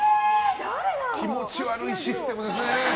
気持ち悪いシステムですね。